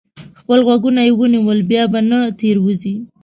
خپل غوږونه یې ونیول؛ بیا به نه تېروځي.